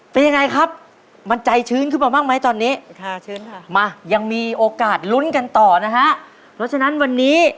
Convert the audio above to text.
เป็นยังไงครับมันใจชื้นขึ้นมามากมั้ยตอนนี้